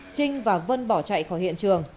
trinh và vân bỏ chạy khỏi hiện trường